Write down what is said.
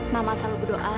mama selalu berdoa